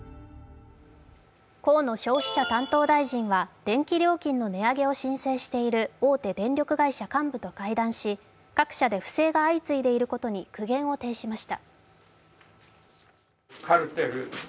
河野消費者担当大臣は、電力料金の値上げを申請している大手電力会社幹部と会談し、各社で不正が相次いでいることに苦言を呈しました。